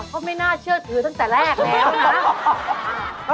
ก็ไม่น่าเชื่อถือตั้งแต่แรกแล้วนะ